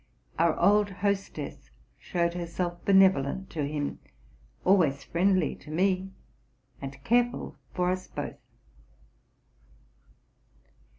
Our old hostess showed herself benevolent to him, always friendly to me, and careful for us both.